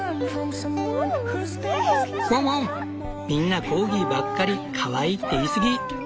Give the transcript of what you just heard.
みんなコーギーばっかりかわいいって言い過ぎ。